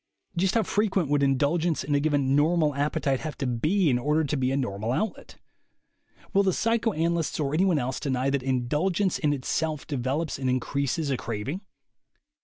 Just how frequent would indulgence in a given "normal" appetite have to be in order to be a "normal outlet?" Will the psychoanalysts, or any one else, deny that indulgence in itself develops and increases a craving?